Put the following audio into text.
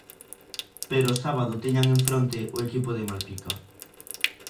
Pero o sábado tiñan en fronte o equipo de Malpica.